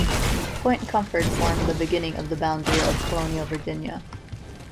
Point Comfort formed the beginning of the boundary of colonial Virginia.